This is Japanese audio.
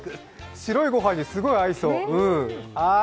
白いご飯に、すごい合いそう。